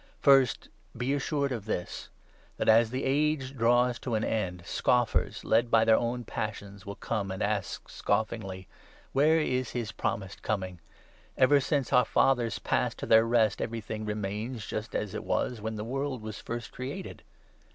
First be assured of this, that, as the age draws to 3 an end, scoffers, led by their own passions, will come and ask 4 scomngly — 'Where is his promised Coming? Ever since our fathers passed to their rest, everything remains just as it was when the world was first created